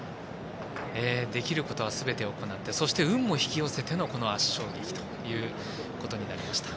できることは、すべて行ってそして運も引き寄せての圧勝ということになりました。